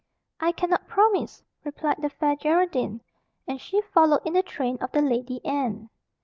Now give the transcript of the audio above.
"I cannot promise," replied the Fair Geraldine. And she followed in the train of the Lady Anne.